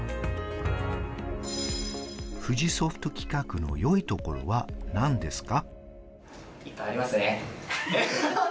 富士ソフト企画の良いところは何ですか？